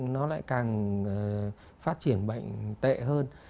nó lại càng phát triển bệnh tệ hơn